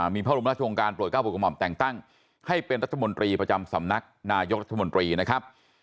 มีพระอุมัติธวงการปลวดก้าวปกรรมแต่งตั้งให้เป็นรัฐมนตรีประจำสำนักนายกรัฐมนตรีนะครับ